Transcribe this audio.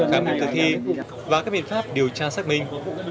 khám nghiệm tử thi và các biện pháp điều tra xác minh